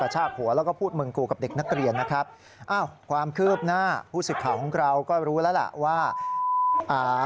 หน้าผู้ศึกขาของเราก็รู้แล้วล่ะว่า